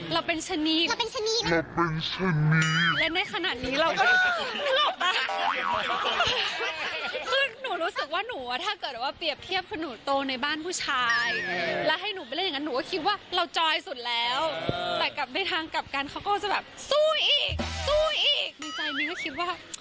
เราเป็นชนิดเราเป็นชนิดเราเป็นชนิดเราเป็นชนิดเราเป็นชนิดเราเป็นชนิดเราเป็นชนิด